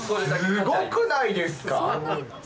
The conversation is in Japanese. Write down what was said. すごくないですか？